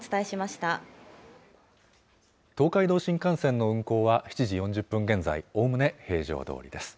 東海道新幹線の運行は７時４０分現在、おおむね平常どおりです。